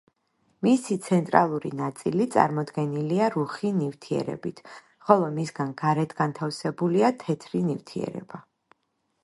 მისი ცენტრალური ნაწილი წარმოდგენილია რუხი ნივთიერებით, ხოლო მისგან გარეთ განთავსებულია თეთრი ნივთიერება.